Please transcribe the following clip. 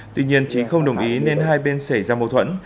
tuy nhiên trí không đồng ý nên hai bên xảy ra mâu thuẫn